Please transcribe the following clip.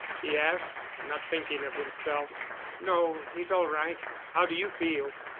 he asked, not thinking of himself. "No; he's all right. How d'you feel?"